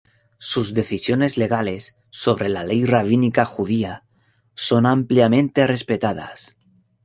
Sus decisiones legales sobre la Ley rabínica judía son ampliamente respetadas.